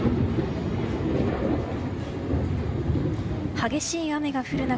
激しい雨が降る中